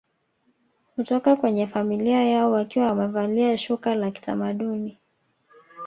Hutoka kwenye familia yao wakiwa wamevalia shuka la kitamaduni